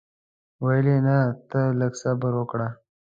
ویل یې نه ته لږ صبر وکړه.